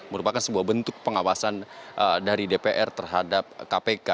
merupakan sebuah bentuk pengawasan dari dpr terhadap kpk